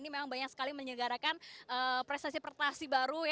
ini memang banyak sekali menyegarakan prestasi prestasi baru